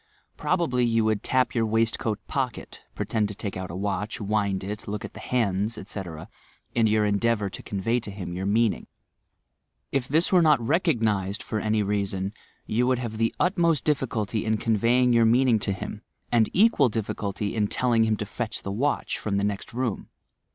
Prob ably you would tap your waistcoat pocket, pretend to take out a watch, wind it, look at the hands, etc., in your endeavour to convey to him your meaning. If this were not recognized, for any reason, you would have the 106 TOUR PSYCHIC POWERS utmost diffimJty in eonveyisg your meaiiiDg to him, and eqn&l difScalty in telling him to fetch the watch from the next room.